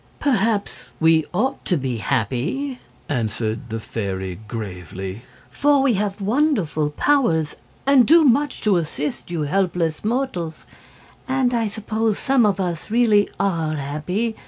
"Perhaps we ought to be happy," answered the fairy, gravely, "for we have wonderful powers and do much to assist you helpless mortals. And I suppose some of us really are happy.